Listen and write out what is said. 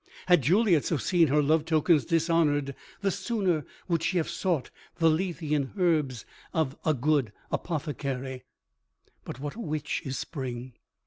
Had Juliet so seen her love tokens dishonoured the sooner would she have sought the lethean herbs of the good apothecary. But what a witch is Spring!